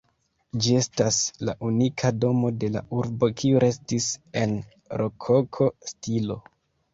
Ĝi estas la unika domo de la urbo kiu restis en rokoko stilo.